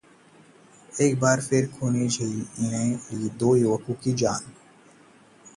एक बार फिर खूनी झील ने ली दो युवकों की जान